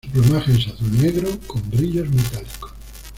Su plumaje es azul-negro con brillos metálicos.